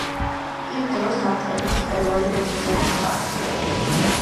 იმ დროს ამ ტერმინს პერუელი მეთევზეები ხმარობდნენ.